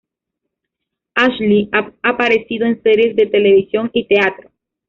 Ashley ha aparecido en series de televisión y teatro.